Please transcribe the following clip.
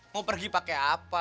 mau pergi pakai apa